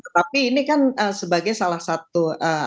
tapi ini kan sebagai salah satu